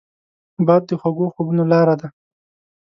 باد د خوږو خوبونو لاره ده